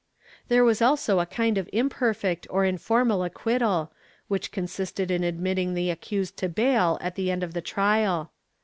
^ There was also a kind of imperfect or informal acquittal, which consisted in admitting the accused to bail at the end of the trial.